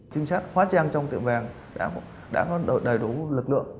tinh sát hóa tre trong tiệm vàng đã có đầy đủ lực lượng